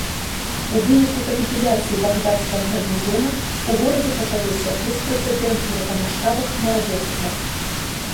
У выніку капітуляцыі багдадскага гарнізона ў горадзе пачалося беспрэцэдэнтнае па маштабах марадзёрства.